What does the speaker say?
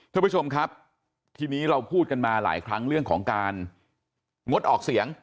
ท่านผู้ชมครับทีนี้เราพูดกันมาหลายครั้งเรื่องของการงดออกเสียง